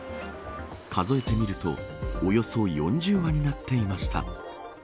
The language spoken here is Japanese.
数えてみるとおよそ４０羽になっていました。